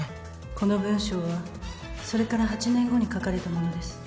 この文章はそれから８年後に書かれたものです